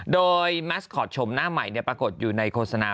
โดยแมสคอตชมหน้าใหม่ปรากฏอยู่ในโฆษณา